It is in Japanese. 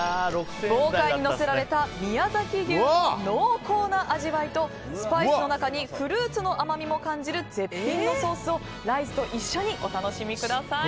豪快にのせられた宮崎牛の濃厚な味わいとスパイスの中にフルーツの甘みも感じる絶品のソースをライスと一緒にお楽しみください。